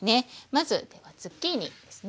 まずではズッキーニですね。